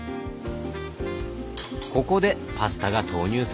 ここでパスタが投入されました。